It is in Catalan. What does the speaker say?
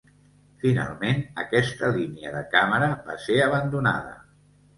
Finalment, aquesta línia de càmera va ser abandonada.